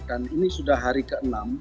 dan ini sudah hari ke enam